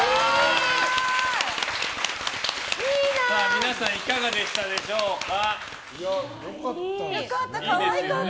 皆さんいかがでしたでしょうか？